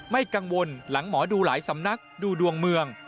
ไม่กังวลหลังหมอดูหลายสำนักดูดวงเมือง